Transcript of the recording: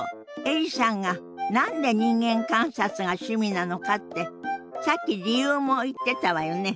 エリさんが何で人間観察が趣味なのかってさっき理由も言ってたわよね。